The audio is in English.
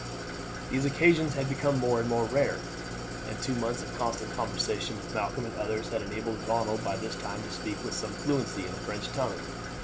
These occasions had become more and more rare, and two months of constant conversation with Malcolm and others had enabled Ronald by this time to speak with some fluency in the French tongue.